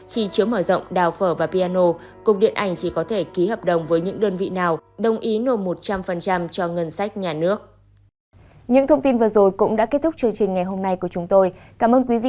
khi chứa mở rộng đào phở và piano cục điện ảnh chỉ có thể ký hợp đồng với những đơn vị nào đồng ý nộp một trăm linh cho ngân sách nhà nước